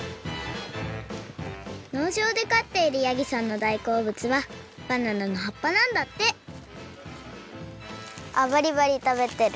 のうじょうでかっているヤギさんのだいこうぶつはバナナのはっぱなんだってバリバリたべてる。